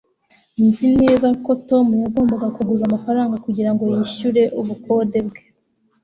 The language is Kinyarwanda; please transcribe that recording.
nzi neza ko tom yagombaga kuguza amafaranga kugirango yishyure ubukode bwe